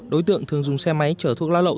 đối tượng thường dùng xe máy chở thuốc lá lậu